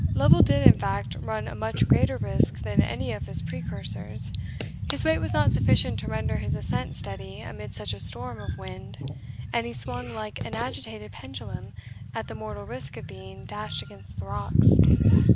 Lovel did, in fact, run a much greater risk than any of his precursors. His weight was not sufficient to render his ascent steady amid such a storm of wind, and he swung like an agitated pendulum at the mortal risk of being dashed against the rocks.